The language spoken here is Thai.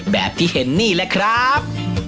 แบบที่เห็นนี่แหละครับ